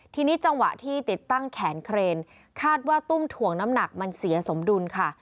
ทีนี้จังหวะที่ติดตั้งแขนเครนคาดว่าตุ้มถ่วงน้ำหนักมันเสียสมดุลค่ะ